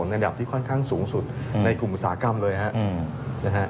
ระดับที่ค่อนข้างสูงสุดในกลุ่มอุตสาหกรรมเลยฮะนะฮะ